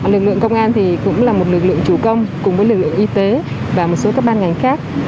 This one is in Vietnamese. lực lượng công an thì cũng là một lực lượng chủ công cùng với lực lượng y tế và một số các ban ngành khác